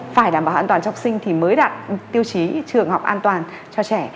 phải đảm bảo an toàn cho học sinh thì mới đạt tiêu chí trường học an toàn cho trẻ